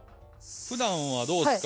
ふだんはどうですか？